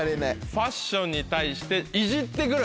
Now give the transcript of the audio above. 「ファッションに対していじって来る」